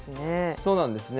そうなんですね。